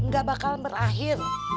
nggak bakal berakhir